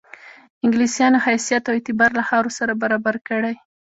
انګلیسیانو حیثیت او اعتبار له خاورو سره برابر کړي.